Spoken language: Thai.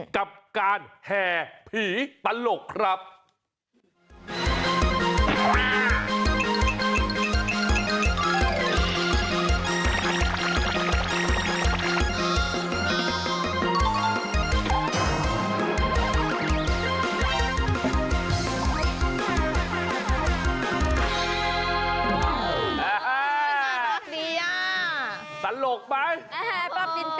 กับการแห่ผีตลกครับ